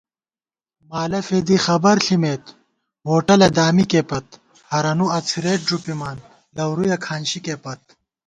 مالہ فېدی خبر ݪِمېت ووٹَلہ دامِکے پت * ہرَنُو اڅَھرېت ݫُپِمان لَورُیَہ کھانشِکے پت